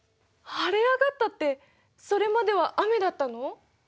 晴れ上がったってそれまでは雨だったの？